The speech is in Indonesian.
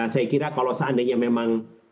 saya kira kalau seandainya memang